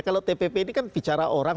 kalau tpp ini kan bicara orang